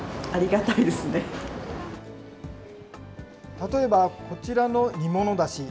例えば、こちらの煮物だし。